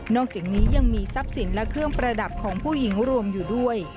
อกจากนี้ยังมีทรัพย์สินและเครื่องประดับของผู้หญิงรวมอยู่ด้วย